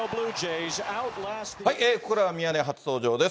ここからはミヤネ屋初登場です。